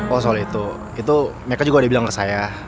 oh soal itu itu mereka juga udah bilang ke saya